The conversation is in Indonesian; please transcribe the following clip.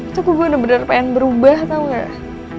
tapi tuh gue bener bener pengen berubah tau gak